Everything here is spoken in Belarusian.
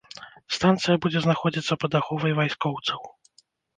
Станцыя будзе знаходзіцца пад аховай вайскоўцаў.